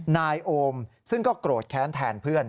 นายโอมซึ่งก็โกรธแค้นแทนเพื่อน